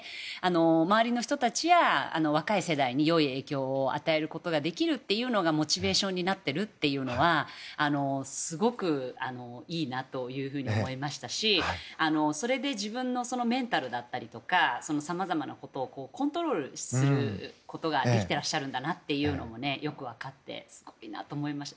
周りの人たちや若い世代に良い影響を与えることができるというのがモチベーションになっているのはすごくいいなと思いましたしそれで自分のメンタルだったりさまざまなことをコントロールすることができていらっしゃるんだなとよく分かってすごいなと思いました。